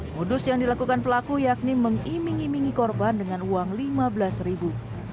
modus yang dilakukan pelaku yakni mengiming imingi korban dengan uang lima belas ribu